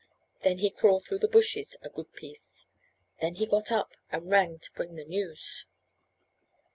Then he crawl through the bushes a good piece; then he got up and ran to bring the news."